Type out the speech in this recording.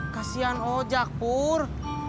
kasian oh jak pur